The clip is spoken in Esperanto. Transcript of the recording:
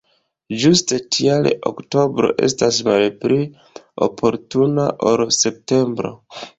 Ĝuste tial oktobro estas malpli oportuna ol septembro.